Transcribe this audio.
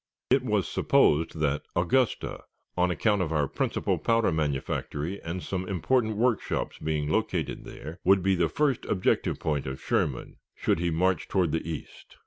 It was supposed that Augusta, on account of our principal powder manufactory and some important workshops being located there, would be the first objective point of Sherman, should he march toward the east.